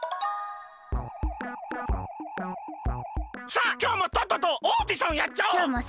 さあきょうもとっととオーディションやっちゃおう！